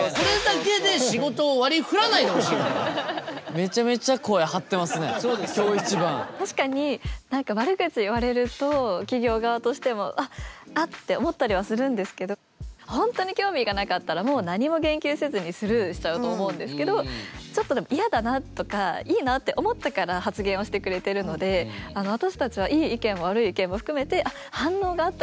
めちゃめちゃ確かに何か悪口言われると企業側としても「うわっあっ」て思ったりはするんですけど本当に興味がなかったらもう何も言及せずにスルーしちゃうと思うんですけどちょっとでも「嫌だな」とか「いいな」って思ってから発言をしてくれてるので私たちはいい意見も悪い意見も含めて「反応があった！